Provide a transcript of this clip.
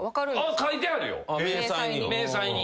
書いてあるよ明細に。